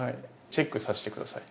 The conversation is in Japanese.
チェックさせて下さい。